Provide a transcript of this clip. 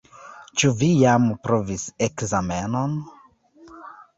Ĉu vi jam provis ekzamenon?